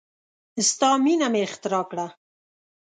ستا مینه مې اختراع کړه